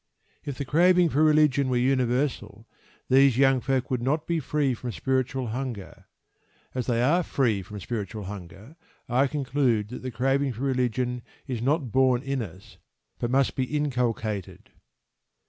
If the craving for religion were universal these young folk would not be free from spiritual hunger. As they are free from spiritual hunger, I conclude that the craving for religion is not born in us, but must be inculcated.